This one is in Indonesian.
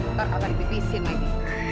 ntar ntar dipisik lagi